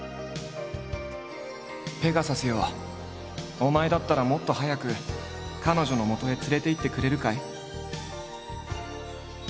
「ペガサスよお前だったらもっと早くカノジョの元へ連れていってくれるかい？」。